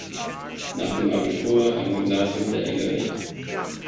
Nach dem Abitur am Gymnasium der Engl.